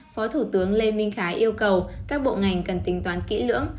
phó thủ tướng lê minh khái yêu cầu các bộ ngành cần tính toán kỹ lưỡng